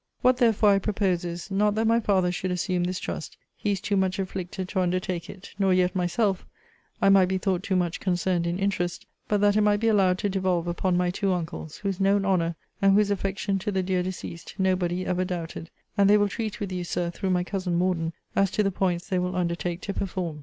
What, therefore, I propose is, not that my father should assume this trust; he is too much afflicted to undertake it nor yet myself I might be thought too much concerned in interest; but that it might be allowed to devolve upon my two uncles; whose known honour, and whose affection to the dear deceased, nobody every doubted; and they will treat with you, Sir, through my cousin Morden, as to the points they will undertake to perform.